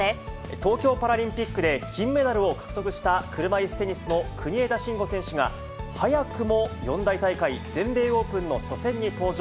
東京パラリンピックで金メダルを獲得した、車いすテニスの国枝慎吾選手が、早くも四大大会、全米オープンの初戦に登場。